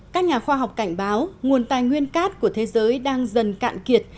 các nhà khoa học cảnh báo nguồn tài nguyên cát của thế giới đang dần cạn kiệt